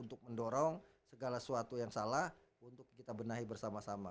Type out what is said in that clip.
untuk mendorong segala sesuatu yang salah untuk kita benahi bersama sama